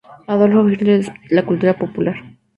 Adolf Hitler en la cultura popular